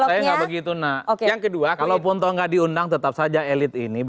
saya enggak begitu nak yang kedua kalau pontongga diundang tetap saja elit ini